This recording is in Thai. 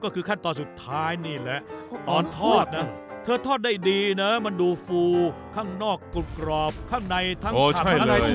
ร้อนใช่ไหมนะฮะ